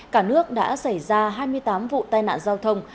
cả nước đã xảy ra hai mươi tám vụ tai nạn giao thông